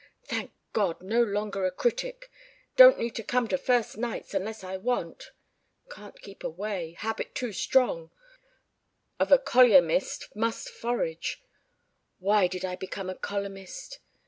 ... Thank God, no longer a critic ... don't need to come to first nights unless I want ... can't keep away ... habit too strong ... poor devil of a colyumist must forage ... why did I become a columnist?